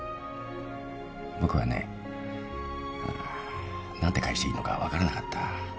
僕はね何て返していいのか分からなかった。